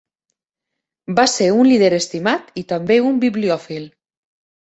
Va ser un líder estimat i també un bibliòfil.